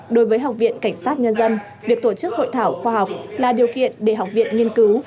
đối với học viện cảnh sát nhân dân việc tổ chức hội thảo khoa học là điều kiện để học viện nghiên cứu